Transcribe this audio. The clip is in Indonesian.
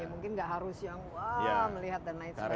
mungkin nggak harus yang wah melihat dan naik seperti itu